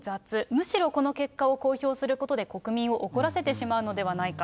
むしろこの結果を公表することで国民を怒らせてしまうのではないか。